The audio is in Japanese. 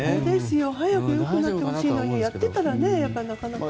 早く良くなってほしいのにやってたら、なかなか。